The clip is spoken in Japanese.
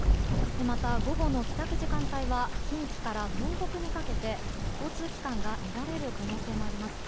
また午後の帰宅時間帯は近畿から東北にかけて交通機関が乱れる可能性もあります。